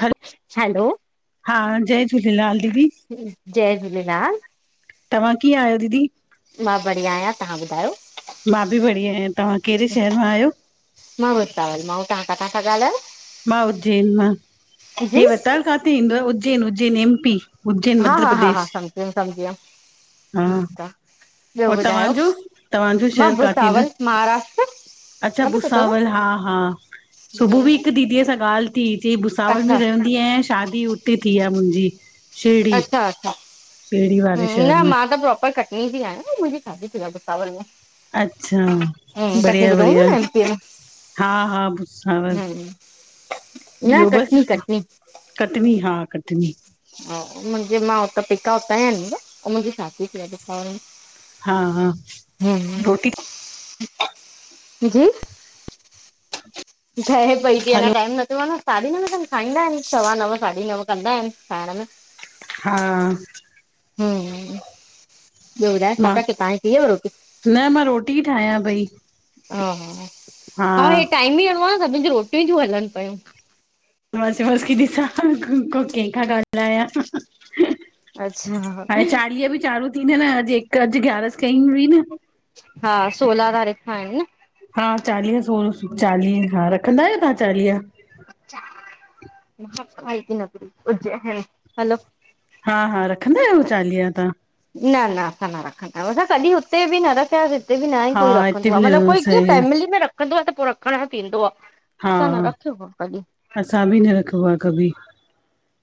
हल हलो हा जय झूलेलाल दीदी जय झूलेलाल तव्हां कीअं आहियो दीदी? मां बढ़िया आहियां तव्हां ॿुधायो? मां बि बढ़िया आहियां तव्हां कहिड़े शहर मां आहियो? मां वृतावल मां ऐं तवां काथां ता गाल्हायो? मां उज्जैन मां हे वताल काथे ईंदो आहे उज्जैन उज्जैन एम पी उज्जैन हा मध्य हा हा हा प्रदेश। समझियम समझियम हा ठीक आ। ॿियो और ॿुधायो तव्हांजो तव्हांजो मां शहर काथे ईंदो? भुसावल महाराष्ट्र अच्छा न ॿुधो भुसावल हा हा सुबुह बि अथव हिकु दीदीअ सां ॻाल्हि थी चई भुसावल में अच्छा रहंदी आहियां शादी हुते थी आहे मुंहिंजी शिरडी अच्छा अच्छा शिरडी हं वारे न शहर में मां त प्रोपर कट नीं जी आहियां न मुंहिंजी सादी थी आ भूसावल में अच्छा हम्म कटनी बढ़िया ॿुधो हूंदो बढ़िया न एमपी में हा हा भुसावर हम्म न कटनी कटनी कटनी हा कटनी मुंहिंजे मां हुतां पिका उतांया अन ऐं मुंहिंजी शादी थी आ भूसावल में हा हा हुं रोटी जी? ह [inaudible] ठहे पई थी अना टाइम न थियो आ न साढी नवें खन खाईंदा आहिन सवा नव साढी नव कंदा आहिनि खाइण में हा हम ॿियो ॿुधाए, न मां पापा के पाण पी वियो रोटी न मां रोटी ई ठाहियां पई [unintelligible] हा-हा, हा हे टाइम ई अहिड़ो आहे सभिनि खे रोटियूं तियूं हलनि पयूं। बस-बस, कि ॾिसां को केखां ॻालायां। अच्छा हाणे चालीह बि चालू थींदा न, अॼु हिकु अॼु ग्यारस कई हुई न। हा, सोला तारीखां आहिनि न? हा चालीह सो चालीह, हा रखंदा आहियो तव्हां चालीहा। महाकाल की नगरी, उज्जै है। हलो। हा- हा, रखंदा आहियो चालीहा तव्हां? न, न असां न रखंदा आहियूं। असां कॾहिं हुते बि न रखियासीं। हुते न ई कोई हा हिते रखंदो आहे, बि मतिलबु न कोई सही कीअं आहे फैमिली में रखंदो आहे त पोइ रखण थींदो आहे। हा, असां न रखियो आहे कॾहिं। असां बि न रखबो आहे, कॾीं।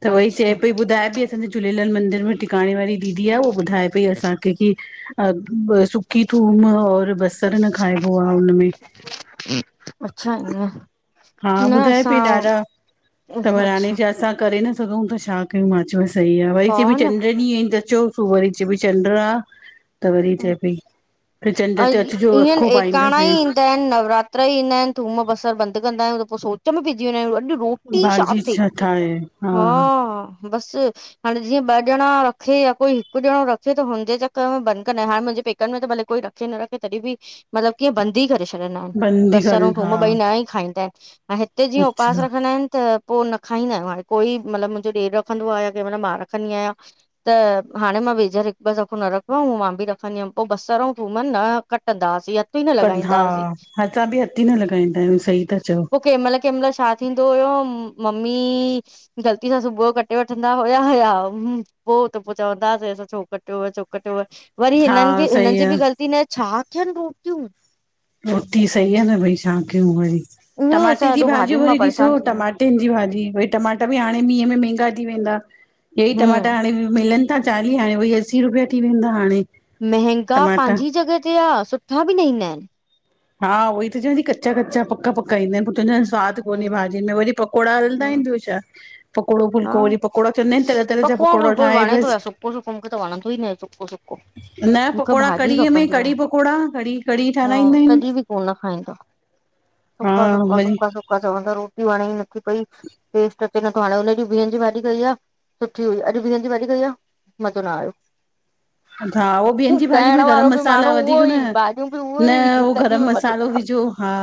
त उई चए अच्छा पई ॿुधाए बि असांजे झूलेलाल मंदर में टिकाणे वारी। दिया बि ॿुधाए पई असांखे कि अ ॿियो सु की थूम और बसर न खाइबो आहे हुनमें। अच्छा ईअं। हा न ॿुधाए पई, असां ॾाढा त अच्छा हाणे छा ऐेसां करे न। [unintelligible] सघूं था छा कयूं मा़ चयमास्, सही आहे वरी कत बि हा चंॾ न ॾींहं ई त अचो। वारी चंड्र आह। [unintelligible] त वरी चए पई, त चंड ते अचिजो अखो पाईंदसीं [inaudible] पतर ईंदा आहिनि थूम बसर बंदिंदा आहियूं त पोइ सोच में पइजी वेंदायूं अॼु रोहं पी छा हा बस हाणे जीअं ॿ ॼणा रखे या कोई हिक ॼणो रखे त हुनजे चकर में बंद कंदा? हा, मुंहिंजे पेकन में त भले कोई की रखे ना रखे तॾहिं बि, मतलब कि इय बंद ही‌ करे छॾंदा आहिनि, बंदी बसर कल ऐं थूम हा ॿई न ई खाईंदा आहिनि, ऐं हिते जीअं उपवास अच्छा रखंदा आहिनि त पो न खाईंदा आहियूं, हाणे कोई मतलब मुंहिंजो ॾेर रखंदो आहे या कहिंमल मां रखंदी आहियां त हाणे मां वेझर हिकु ॿ दफ़ो न रख वा मां बि रखंदी हुअमि, पो बसर ऐं थूम न कटंदासीं या कंधा, असां बि हथ ई न हि लॻाईंदा आहियूं, सही था चओ। केमल केमल्ह छा थींदो हुयो? मम्मी। ग़लती सां सुबह जो कटे वठंदा हुया, या पोइ त पोइ चवंदासींसां छो कटियव, छोक त पो, वरी हिनन हा जी हिननि सही जी आ, बि ग़लती न, छा कियन रोटियूं। रोटी सही आहे न भई छा कयूं वरी, ईअं ई टमाटे असां जी हेॾो भाॼियूं भाॼियुनि मां वरी ॾिसो परेशान थी विया टमा आहियूं टन जी भाॼी, भई टमाटा बि हाणे मीहं में महंगा थी वेंदा, हेय ई हम्म, टमाटा हाणे मिलन तां चालीह, हाणे वई असी रुपया थी वेंदा हाणे। महंगा टमाटा। पांहिंजी जॻह ते आह। सुठा बि न ईंदा आहिनि। हा उहोई त चवांती, कच्चा-कच्चा, पक्का- पक्का ईंदा आहिनि, पो चवंदीआयांस् सवाद कोन्हे हम्म भाॼियुन में, वरी पकौड़ा हलंदा हम्म, आहिनि ॿियो छा? पकोड़ो फुलको वरी पको पकौड़ो फुलको बि वणे तो या? बसि। सुको- सुको, मूखे त वणंदो ई न आए, सुको सुको। न मूंखे पकोड़ा भाॼी कढ़ीअ में, खपंदी आ कढ़ी पकौड़ा, कढड़ी- कढ़ी हा ठहाराईंदा आहिनि। तॾहिं बि कोन खाईंदा, हा सुका- सुका, वरी सुका- सुका, चवंदा रोटी वणे ई नथी पई। टेस्ट अचे नथो हाणे, उन्हें ॾींहं बीहनि जी भाॼी कई आह। सुठी, अॼ बिहनि जी भाॼी कई आह। मजो न आयो। हा होह बीयनि जी भाॼी करण में गरम वारो बि मसाला माण्हू वधीक उहो अहिन ई न, भाॼियूं बि उहो न, ई होहो तॾहिं गरम बि मज़ो न मसालो विझो। हा।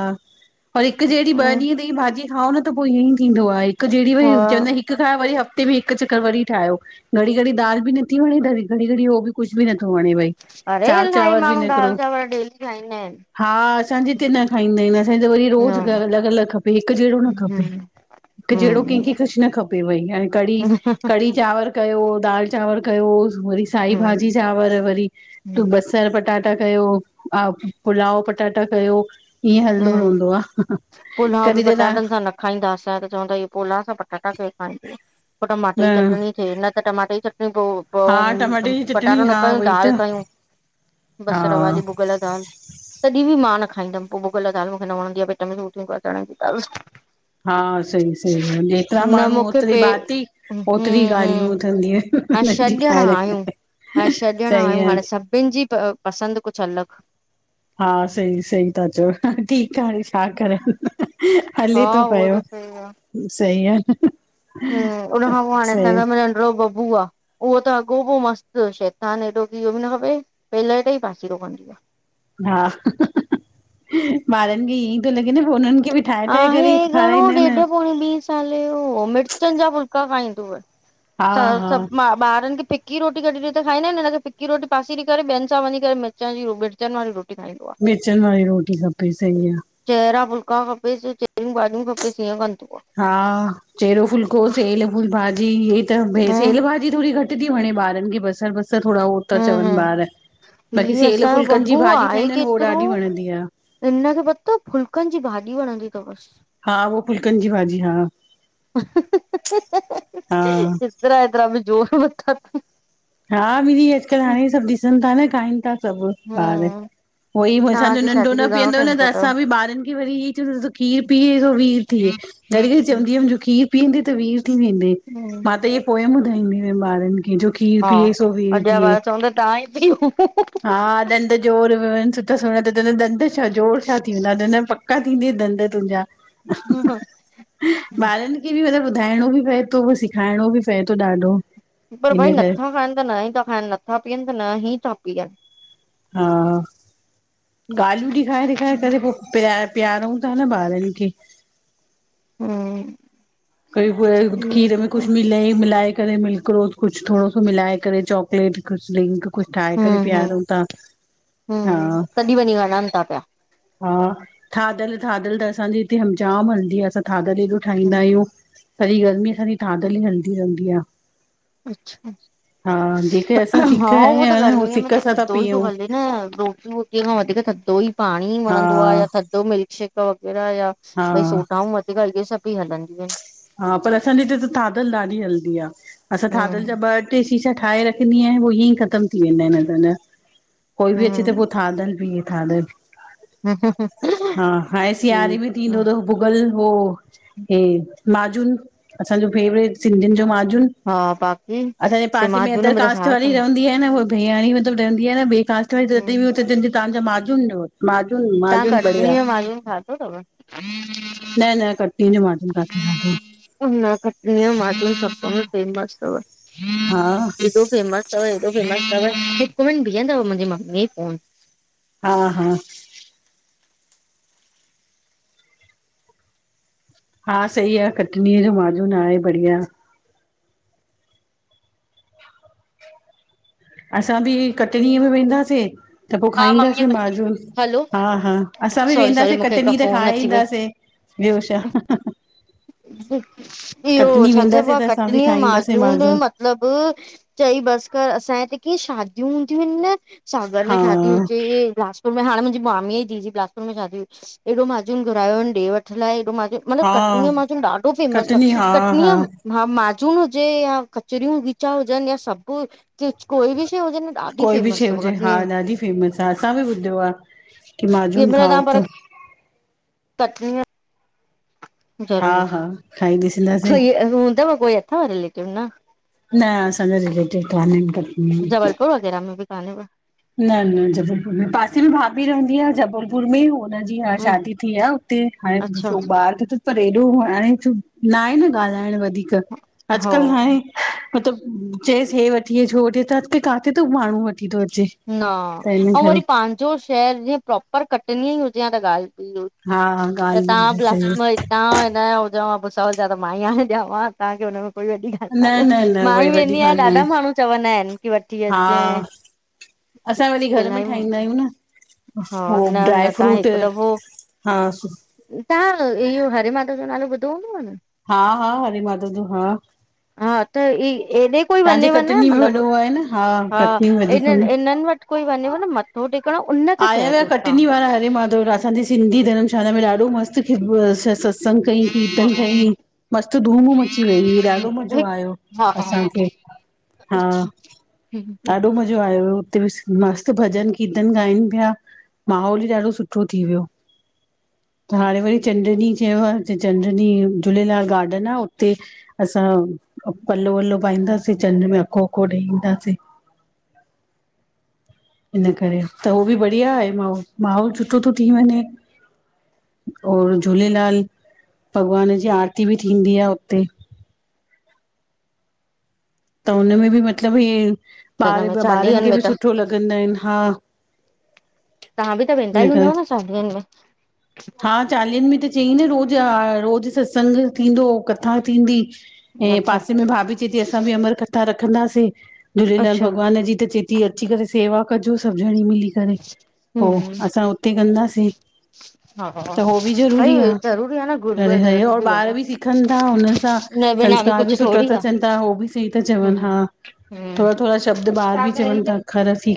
पर हिक जेंड़ी ॿ आयो ॾींहं ताईं भाॼी खाओ न पो ईअं ई थींदो आहे हिक जेंड़ी भई हा चवंदा हिक ठाए वरी हफ़्ते में हिक चक्कर वरी ठाहियो घड़ी घड़ी दाल बि नथी वणे घड़ी घड़ी उहो बि कुछ बि नथो वणे भई। अरे साग इलाही चांवर बि माण्हू न करो दाल चांवर डेली ठाईंदा आहिन। हा असां जें हिते न खाईंदा आहिन असांजा वरी रोज़ न घर अलग अलग खपे हिक जेहड़ो न खपे। हम्म हिक जेंड़ो कंहिंखे हम्म कुछ न खपे पे वई हाणे कढ़ी हम्म कढ़ी चांवर कयो दाल चांवर कयो वरी साई भाजी। हम्म चांवर वरी तूं बस सर पटाटा कयो पुलाव पटाटा कयो त ईह हलंदो हम्म रहंदो आ पुलाव बि कॾहिं त ता पटाटनि सां न खाईंदा असाय त चवंदायी इयो पोला सा पटाटा केर खाईंदो पो टमाटे ई तव्हां चटड़ी। पेरया त टमाटे जी चटड़ी रोज़। हा पो टमाटे जी चटणी पटाटो न हा कयूं उई दाल त कयूं हा बसर वारी भुॻल दाल। तॾहिं बि मा न खाईंदम पो भुॻल दाल मूखे न वणंदी आहे पेट सुर थिंदो आ चढ़न जी दाल सां। हा सई सई जेतरा न माण्हू मूंखे ओतरी पे भाती। हम्म ओतिरी हम्म ॻाल्हियूंं थींदियूं आहिन [unintelligible] हा श ॼणा आहियूं हाणे सभिन जी पसंद कुछ अलग। हा सई सई ता चओ। हा ठीक आ हाणे छा करा हले हा तो उहो पयो। त सही आहे हम्म उन खां पो हाणे असां सही ये घर मे नंडड़ो बबू आ। उहो त अॻोपो मस्त शैतान एॾो की इहो बि न खपे पलट ई पासीरो कंदी आहे। हा ॿारन खे ईअं तो लॻे न उनन खे बि ठाहे ठाहे आहे करे घणो खाराईंदा आहिनि ॾेॾ पोड़े ॿी साले साले यो मिर्चन जा फुल्का खाईदोव हा हा सब ॿारन खे फिक फिकी रोटी कडी ॾे त खाईंदा आहिन हिन खे फिकी रोटी पासीरी करे ॿियनसां वञी मिर्च जी मिर्चन वारी रोटी खाईंदो आ। मिर्चन वारी रोटी खपे सही आ। चेरा फुलका खपेस चेरयूं भाॼियूं खपेस इयं कंदो आ। हा चेरो फुलको सेल भाॼी इ त सेल हम्म भाॼी थोड़ी घट थी वणे ॿारन खे बसर बसर थोड़ा हो ता हम्म चवन हम्म ॿार बाक़ी ही सेल असांजो फुलकन बबू जी भाॼी आहे ठाहींदा आहिन उ केतिरो ॾाढी वणंदी आ। हिनखे पतो फुलकन जी भाॼी वणंदी तवस। हा उहो फुलकन जी भाॼी हा हा [unintelligible] हा दीदी अजकल्ह हाणे सब ॾिसन ता न खाएन ता सब ॿार। हम्म उहो ई असांजो तव्हांजी नंढो शादी न खे घणो पीअंदो न टाइम त थियो तव? असां बि ॿारन खे वरी इहे चवन्दा खीर पीए सो वीर थिए। घड़ी घड़ी चवंदी आ। जो खीर पीअंदे त वीर थी वेंदी हम्म मां त इय पोयम ॿुधाईंदी हुयम ॿारन खे जो खीर हा पीए सो वीर अॻियां थिए ॿार चवंदा तव्हां ई पियो। हा ॾंद जोर सुठा सुणा त च ॾंद जोर छा थी वेंदा ॾद पक्का पका थींदे ॾद तुंहिंजा ॿारन। मुखे भी मतब ॿुधाइणो बि पए तो सिखाइणो बि पए तो ॾाढो। पर भई हिन करे नथा खाएन त न ई था खाएन नथा पीयन त न ही ता पीयन। हा ॻाल्हियूं ॾेखाए ॾेखारे करे पो प्यार प्यारउं ता न ॿारन खे। हम्म उ हम्म खीर [unintelligible] कुछु मिले मिलाए करे मिल्क रोज़ कुछु थोङो सो मिलाए करे, चॉकलेट कुछु ड्रिंक कुछु ठाहे करे हम्म पीआरंउं था। हा कॾहिं वंञी वणनि था पिया। हा थादल, थादल त असांजी हिते हम जाम हलंदी आहे, असां थाधल ॾ ठाहींदा आहियूं, सॼी गर्मी सॼी थादल ई हलंदी रहंदी आ। अच्, हा जेके छा असां हा सिक उहो त आहिनि गर्मी अ में सिक त सां था थदो ई त पीयूं हल न रोटी वोटीअ खां वधीक थधो ई पाणी हा वणंदो आ या थधो मिल्क शेक वग़ैरह या हा भई सोडाऊं ॻाल। हे सब भी हलंदीूं आहिन। हा, पर असांजे हिते त थादल ॾाढी हलदी आ, असां थादल जा हम्म ॿ ट्रे शीशा ठाहे रखंदी आहयां, उओ इंएइ ख़तम थी वेंदा आहिन। कोई बि अचे त हम्म पो थाधल पिये थाधल। हा, हाण सिआरे बि ठीकु आ थींदो त भुगल हो हे माजून, असांजो फेवरेट सिंधियुनि जो माजून। हा बाकी असांजे पासे में अदर कास्ट वारी रहंदी आहे न, उहा बिहांणी मतिलुब रहंदी आहे न ॿि कास्ट वारी, तहिं बि हम्म हुत तव्हांजा माजून न माजून माजून बढ़िया। माो ई खात [unintelligible] [unintelligible] ऐं न कटी ज माजुन खाती, खाधी खटन मेमस अथ हा हेॾो फेम [unintelligible] अथ ऐॾो फेमस अथव हिकु मिंट बीहंदव मुंहिंजी मम्मी फोन हा हा हा सही आ कटनीअ जो माजून आहे बढ़िया। असां बि कटनीअ में वेंदासीं। त पोइ हा मम्मीअ खाईंदासीं कई थी माजून, हलो हा- हा असां बि सॉरी सॉरी वेंदासीं मूंखे हिक कटनी त फोन खाए अची ईंदासीं। ॿियो छा। इहो कटनी छा चइबो वेंदासीं आ, त असां बि कटनीअ जो खाईंदासीं माजून मतिलब चई बसि कर, असांजे हिते कीअ शादियूं हूंदियूं आहिन न सागर में हा शादी हुजे, लास्ट हाणे मुंहिंजे मामीअ, जे धीयं जी बलासपुर में शादी थी, ईएॾो मजून घुरायो अन ॾे वठ लाइ, हेॾो मजून मतलब हा कटनीअ माजून ॾाढो फेमस अथ, कटनी हा हा कटनीअ हा माजून हुजे, या कचरियूं खीचा हुजनि या, सभु कोई बिशेै, हुजे न ॾाढी कोई बि शै फेमस अथव हुजे हा, कटनी में ॾाढी फेमस आ, हा असां बि ॿुधियो आ कि माजून खाओ त कटनी अ हा ज़रूर, हा खाई ॾिसंदासीं कोई हूंदव कोई अथव रिलेटिव न? न, असां जा रिलेटिव कानन के। जबलपुर वगैरह में बि काने व? न, न। जबलपुर में, पासे में भाभी रहंदी आ, जबलपुर में हो हुन जी हा हम्म शादी थी आ उते, हाणे अच्छा बियो बार बि थ्यूस। पर एॾो हाणे न आहे न ॻाल्हाइण वधीक, अॼकल्ह हो हाणे। मतलब चयसि हे वठी अच्, हो वठी अचु त, अञ कल काथे तो माण्हू वठी थो अचे। न। त हिन अंउ, करे वरी पांजो शहर जीअं प्रोपर कटनी ई, हुजे ह त ॻाल्हि हा त तव्हां ॻाल्हि ब्लास्ट सही मां [unintelligible] तव्हां हिन जा हुजो भुसावल जा त मा ई आणे ॾियांव हा, तव्हांखे हुनमें कोई वॾी न न न मां वरी ई वॾी वेंदी आहियां, ॻाल्हि न आहे ॾाढा माण्हू चवंदा आहिनि की वठी हा अचे असां वरी, घर में ठाहींदा आहियूं न। हा हो, न ड्राय न तव्हां फ्रूट हिकु दफ़ो हा तव्हां इहो, हरे मादव जो नालो ॿुधो हूंदव न? हा हा, हर माधव जो हा। हा। त, ई एॾे कोई तव्हांजे वञेव न, कटनी में मतलब वॾो आहे न हा, कटनी में वधीक इननि हूंदो इन्हनि वटि कोई वञे न मथो टेकण उन आया हुिया कटनी वारा हरे माधव, असांजी सिंधी धर्मशाला में, ॾाढो मस्तु [unintelligible] सतसंग कई, कीर्तन कई, मस्तु धूम धूम अची वई हुई, ॾाढो मज़ो आयो। हा हा असांखे हा। हिन ॾाढो मज़ो आयो हुयो। उते मस्तु भॼन कीर्तन, ॻाइनि पिया माहौल ई, ॾाढो सुठो थी वियो। त हाणे वरी, चंड ॾींहुं चयो आहेे, चंड ॾींहुं झूलेलाल गार्डन आहे उते। असां पल्लो, वल्लो पाईंदासीं चंड में, अखो, अखो ॾेई ईंदासीं। इन करे त उहो बि बढ़िया आहे माहो, माहौल सुठो थो थी वञे। और झूलेलाल भॻवान जी आरती बि, थींदी आहे हुते। त हुनमें बि, मतलब ईअ ॿार में बि ॿारनि चालीहनि खे, में बि त सुठो लॻंदा आहिनि हा। तव्हां बि त, वेंदा ई इन करे हूंदव न शादीयनि मे! हा चालीहनि में त चई न रोज़, रोज़ सत्संग थींदो, कथा थींदी, में ऐं अच्छा पासे में भाभी चेथी, असां बि, अमर कथा रखंदासीं झूलेलाल अच्छा भॻवान जी त चत दी अची करे सेवा कजो, सभु ॼणी मिली करे पोइ, हम्म असां हुते कंदासीं। हा त हो, बि ज़रूरी भई आहे, ज़रूरी आहे न गुरूअ अड़े जे दर ह ते और ॿार वञो बि सिखनि था हुन सां। न बिना सस्कार बि कुझु सुठो थोरी थ, चनि था उ बि सि त आहे चवनि हम्म हा, थोरा, थोरा शब्द ॿारि बि चवनि हम्म था, अख़र थी